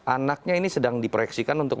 anaknya ini sedang diproyeksikan untuk